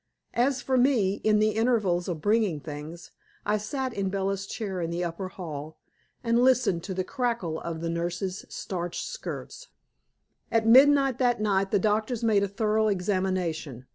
As for me, in the intervals of bringing things, I sat in Bella's chair in the upper hall, and listened to the crackle of the nurse's starched skirts. At midnight that night the doctors made a thorough examination.